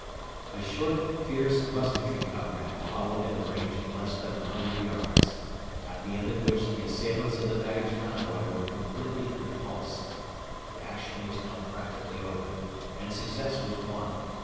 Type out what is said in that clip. ] A short fierce musketry combat followed at a range of less than a hundred yards, at the end of which the assailants of the baggage convoy were completely repulsed. The action was now practically over and success was won.